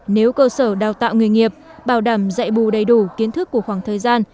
nếu cơ sở đào tạo nghề nghiệp bảo đảm dạy bù đầy đủ kiến thức của khoảng thời gian